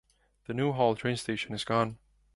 The Newhall train station is gone.